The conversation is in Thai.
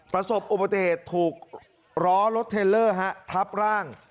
ประสบประเจษฐ์ถูกล้อรถเทลเลอร์ทับร่าง